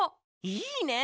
いいね！